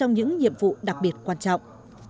những nhiệm vụ đặc biệt quan trọng